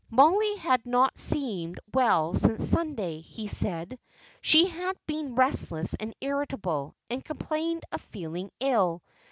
Mollie had not seemed well since Sunday, he said; she had been restless and irritable, and complained of feeling ill.